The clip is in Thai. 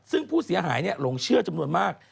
ซึ่งผู้เสียหายหลงเชื่อจำนวนมาก